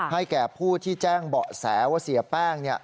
แก่ผู้ที่แจ้งเบาะแสว่าเสียแป้ง